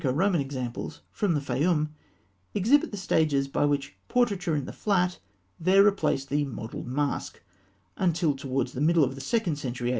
] A series of Graeco Roman examples from the Fayûm exhibit the stages by which portraiture in the flat there replaced the modelled mask, until towards the middle of the second century A.